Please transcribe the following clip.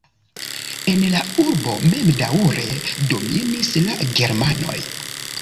En la urbo mem daŭre dominis la germanoj.